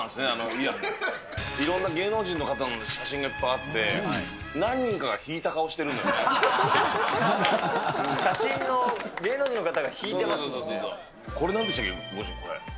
いや、いろんな芸能人の方の写真がいっぱいあって、何人かが引いた顔し写真の、芸能人の方が引いてこれ、なんでしたっけ？ご主人。